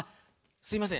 すいません